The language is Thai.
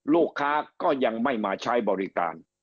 ลูกค้าก็ยังไม่มาใช้บริการ